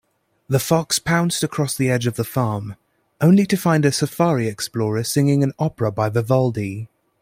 The fox pounced across the edge of the farm, only to find a safari explorer singing an opera by Vivaldi.